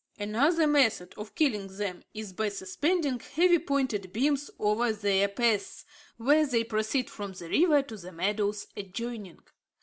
Another method of killing them is by suspending heavy pointed beams over their paths, where they proceed from the river to the meadows adjoining.